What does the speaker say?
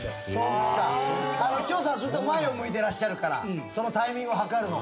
ずっと前を向いてらっしゃるからそのタイミングを計るのが。